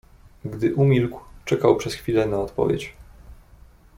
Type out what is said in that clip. "Gdy umilkł, czekał przez chwile na odpowiedź."